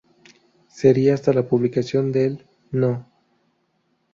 Seria hasta la publicación del No.